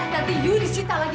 nanti yu disita lagi